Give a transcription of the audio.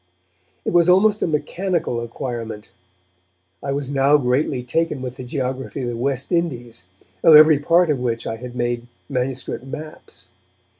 It was almost a mechanical acquirement. I was now greatly taken with the geography of the West Indies, of every part of which I had made MS. maps.